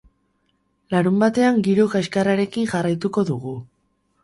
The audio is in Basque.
Larunbatean giro kaxkarrarekin jarraituko dugu.